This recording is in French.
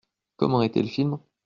Comment était le film ?